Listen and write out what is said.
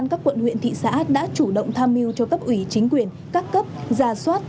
các quận huyện thị xã đã chủ động tham mưu cho cấp ủy chính quyền các cấp gia soát